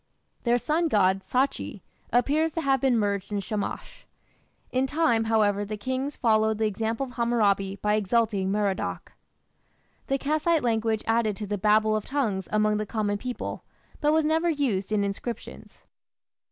Their sun god, Sachi, appears to have been merged in Shamash. In time, however, the kings followed the example of Hammurabi by exalting Merodach. The Kassite language added to the "Babel of tongues" among the common people, but was never used in inscriptions.